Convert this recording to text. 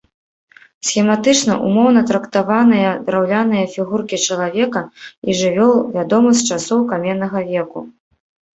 Схематычна, умоўна трактаваныя драўляныя фігуркі чалавека і жывёл вядомы з часоў каменнага веку.